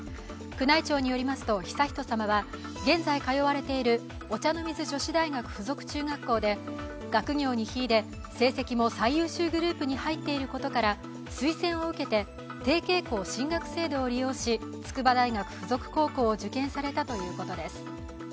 宮内庁によりますと悠仁さまは現在通われているお茶の水女子大学附属中学校で学業に秀で、成績も最優秀グループに入っていることから推薦を受けて提携校進学制度を利用し、筑波大学附属高校を受験されたということです。